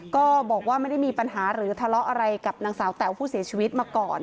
ก็บอกว่าไม่ได้มีปัญหาหรือทะเลาะอะไรกับนางสาวแต๋วผู้เสียชีวิตมาก่อน